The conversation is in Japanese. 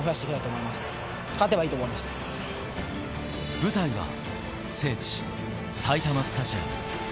舞台は聖地・埼玉スタジアム。